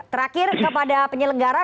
terakhir kepada penyelenggara